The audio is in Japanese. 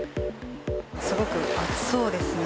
すごく暑そうですね。